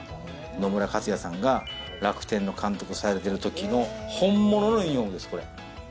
野村克也さんが楽天の監督されてる時の本物のユニホームです。